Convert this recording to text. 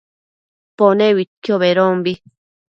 Pone uidquio bedombi